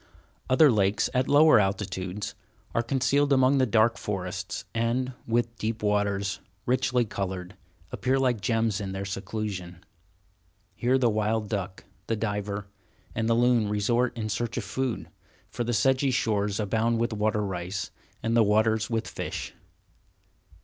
Other lakes, at lower altitudes, are concealed among the dark forests, and, with deep waters, richly colored, appear like gems in their seclusion. Here the wild duck, the diver, and the loon resort in search of food, for the sedgy shores abound with water rice, and the waters with fish.